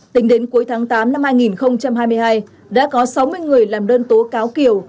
tính đến cuối tháng tám năm hai nghìn hai mươi hai đã có sáu mươi người làm đơn tố cáo kiều